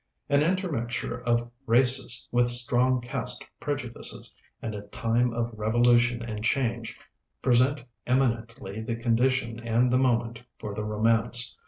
An intermixture of races with strong caste prejudices, and a time of revolution and change, present eminently the condition and the moment for the romance.